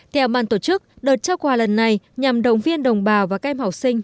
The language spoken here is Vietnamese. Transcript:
theo ban tổ chức đợt trao quà lần này nhằm động viên đồng bào và các em học sinh